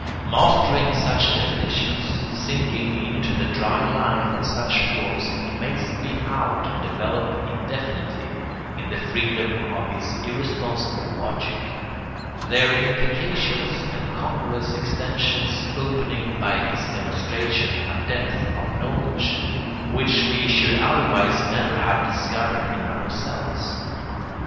Mastering such definitions, sinking into the dry life of such forms, he may spin out and develop indefinitely, in the freedom of his irresponsible logic, their implications and congruous extensions, opening by his demonstration a depth of knowledge which we should otherwise never have discovered in ourselves.